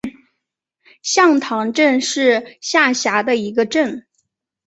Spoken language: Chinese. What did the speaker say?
向塘镇是下辖的一个镇。